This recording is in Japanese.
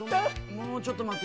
もうちょっとまって。